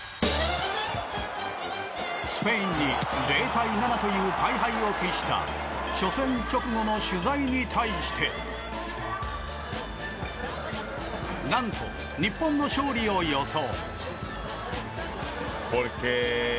スペインに０対７という大敗を喫した初戦直後の取材に対して何と、日本の勝利を予想。